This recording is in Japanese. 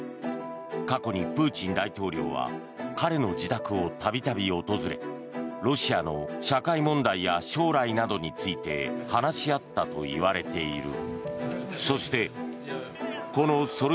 過去にプーチン大統領は彼の自宅を度々訪れロシアの社会問題や将来などについて話し合ったといわれている。